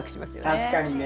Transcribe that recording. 確かにね。